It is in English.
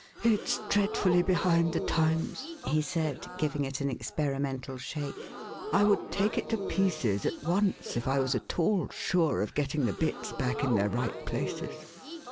It's dreadfully behind the times," he said, giving it an experimental shake. I would take it to pieces at once if I was at all sure of getting the bits back in their right places."